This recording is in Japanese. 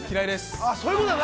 ◆ああそういうことだな。